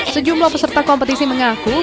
sejumlah peserta kompetisi mengangkat